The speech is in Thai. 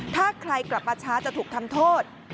ถ้าใครกลับมาช้าจะถูกทำโทษ